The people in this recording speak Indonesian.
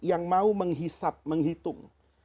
yang mau menghisap menghitung